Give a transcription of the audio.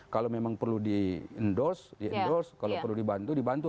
kalau memang perlu di endorse kalau perlu dibantu dibantu